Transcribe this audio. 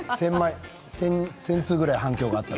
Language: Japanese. １０００通ぐらい反響があった？